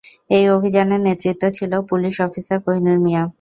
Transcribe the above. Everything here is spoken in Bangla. এই অভিযানের নেতৃত্বে ছিল পুলিশ অফিসার কোহিনূর মিয়া।